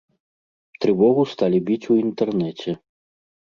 Трывогу сталі біць у інтэрнэце.